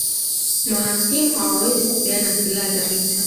Mahasimu hawawezi kupeana silaha za vita